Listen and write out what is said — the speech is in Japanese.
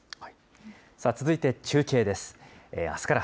続いて中継です。